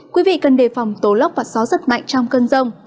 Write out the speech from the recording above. quý vị cần đề phòng tố lốc và gió rất mạnh trong cơn rông